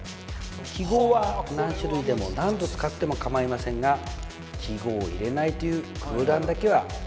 記号は何種類でも何度使っても構いませんが記号を入れないという空欄だけはやめてくださいね。